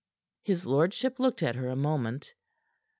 His lordship looked at her a moment.